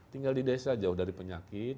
tinggal di desa jauh dari penyakit